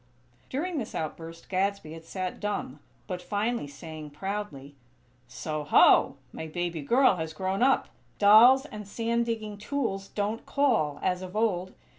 During this outburst Gadsby had sat dumb; but finally saying, proudly: "So, ho! My baby girl has grown up! Dolls and sand digging tools don't call, as of old.